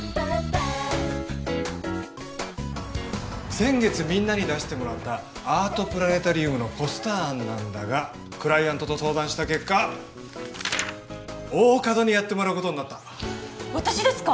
先月みんなに出してもらったアートプラネタリウムのポスター案なんだがクライアントと相談した結果大加戸にやってもらうことになった私ですか？